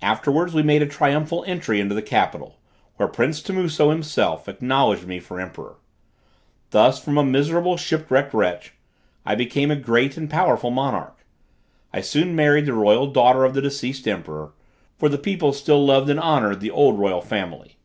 Afterwards we made a triumphal entry into the capital, where prince Timuso, himself acknowledged me for emperor. Thus, from a miserable, shipwrecked wretch, I became a great and powerful monarch. I soon married the daughter of the deceased emperor, for the people still loved and honored the old royal family.